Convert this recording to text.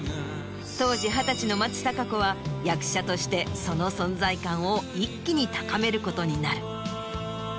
当時二十歳の松たか子は役者としてその存在感を一気に高めることになる。